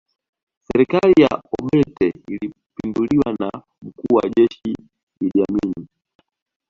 Serikali ya Obote ilipinduliwa na mkuu wa jeshi Idi Amini